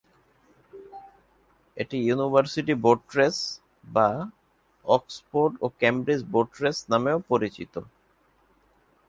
এটি university boat race বা Oxford ও ক্যামব্রিজ বোট রেস নামেও পরিচিত।